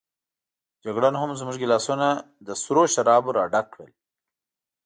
جګړن هم زموږ ګیلاسونه له سرو شرابو راډک کړل.